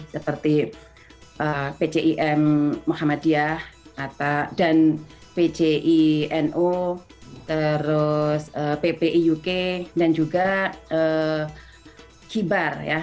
seperti pcim muhammadiyah dan pcino terus ppi uk dan juga kibar